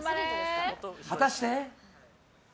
果たして。